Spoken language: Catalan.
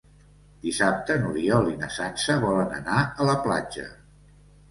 Dissabte n'Oriol i na Sança volen anar a la platja.